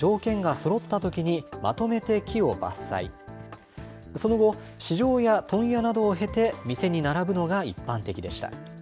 その後、市場や問屋などを経て、店に並ぶのが一般的でした。